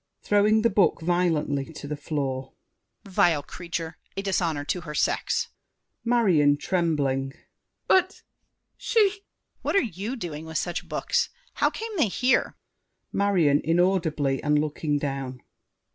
[Throwing the book violently to the floor. Vile creature! a dishonor to her sex! MARION. (trembling). But—she— DIDIER. What are you doing with such books? How came they here? MARION. (inaudibly, and looking down).